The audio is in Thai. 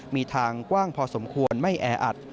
มีทางกว้างพอสมควรไม่แออัด